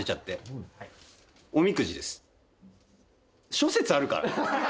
諸説あるから。